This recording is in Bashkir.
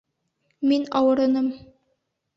Мин ауырыным.